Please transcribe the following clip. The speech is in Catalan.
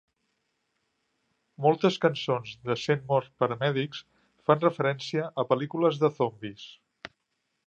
Moltes cançons de Send More Paramedics fan referència a pel·lícules de zombis.